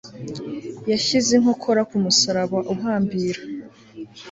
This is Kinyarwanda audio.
Yashyize Inkokora kumusaraba uhambira